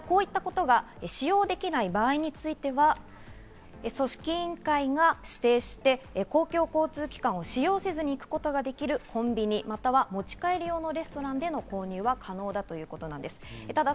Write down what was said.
こういうものが使用できない場合には組織委員会指定の公共交通機関を使用せずに行けるコンビニや、持ち帰り用のレストランでの購入は可能だということです。